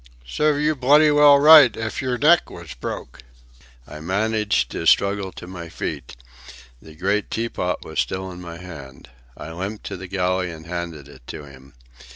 Serve you bloody well right if yer neck was broke!" I managed to struggle to my feet. The great tea pot was still in my hand. I limped to the galley and handed it to him.